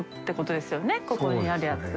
ここにあるやつは。